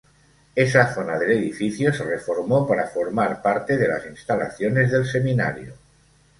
Esa zona del edificio se reformó para formar parte de las instalaciones del Seminario.